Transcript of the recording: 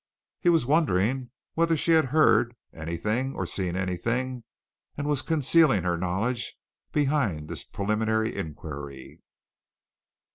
He was wondering whether she had heard anything or seen anything and was concealing her knowledge behind this preliminary inquiry.